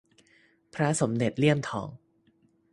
พระสมเด็จเลี่ยมทอง